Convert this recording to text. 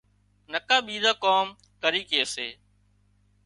نڪا ٻيزان ڪام ڪري ڪي سي